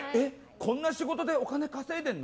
こんな仕事でお金稼いでいるの？